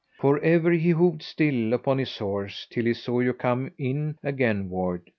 For ever he hoved still upon his horse till he saw you come in againward.